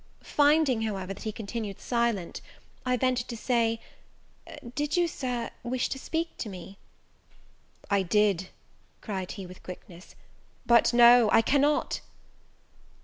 Finding, however, that he continued silent, I ventured to say, "Did you, Sir, wish to speak to me?" "I did," cried he with quickness, "but now I cannot!